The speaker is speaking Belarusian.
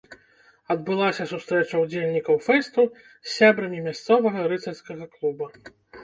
Адбылася сустрэча ўдзельнікаў фэсту з сябрамі мясцовага рыцарскага клуба.